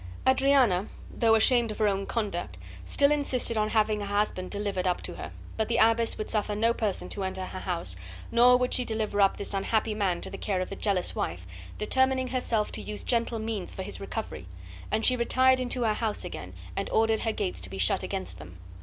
Adriana, though ashamed of her own conduct, still insisted on having her husband delivered up to her; but the abbess would suffer no person to enter her house, nor would she deliver up this unhappy man to the care of the jealous wife, determining herself to use gentle means for his recovery, and she retired into her house again, and ordered her gates to be shut against them.